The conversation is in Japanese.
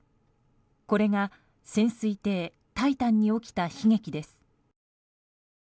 これが潜水艇「タイタン」に起きた悲劇です。